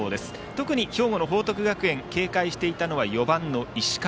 特に兵庫の報徳学園が警戒していたのは４番の石川。